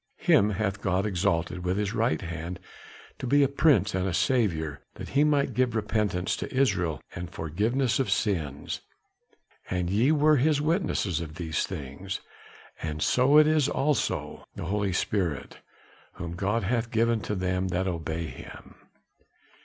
Him hath God exalted with his right hand to be a Prince and a Saviour, that he might give repentance to Israel and forgiveness of sins. And we are his witnesses of these things; and so is also the Holy Spirit, whom God hath given to them that obey him."